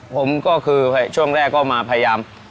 ผมก็คือช่วงแรกก็มาพยายาม